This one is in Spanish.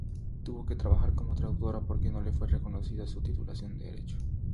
Tuvo que trabajar como traductora porque no le fue reconocida su titulación de Derecho.